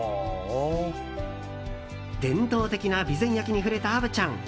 伝統的な備前焼に触れた虻ちゃん。